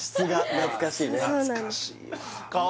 懐かしいわ